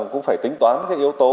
cũng phải tính toán cái yếu tố